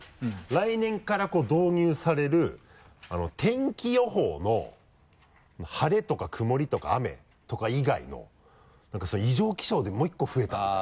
来年から導入される天気予報の晴れとか曇りとか雨とか以外の異常気象でもう１個増えた。